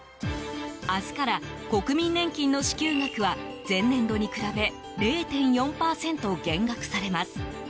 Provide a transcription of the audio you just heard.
明日から、国民年金の支給額は前年度に比べ０．４％減額されます。